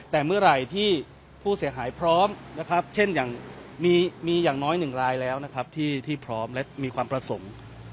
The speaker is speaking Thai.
แต่เมื่อไหร่ที่ผู้เสียหายพร้อมนะครับเช่นอย่างมีอย่างน้อยหนึ่งรายแล้วนะครับที่พร้อมและมีความประสงค์